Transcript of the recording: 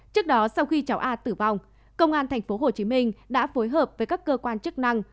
trước đó sau khi cháu a tử vong công an thành phố hồ chí minh đã phối hợp với các cơ quan chức năng